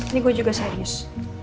ini gue juga serius